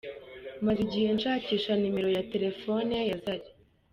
Maze igihe nshakisha nimero ya telefoni ya Zari.